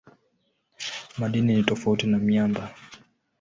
Madini ni tofauti na miamba.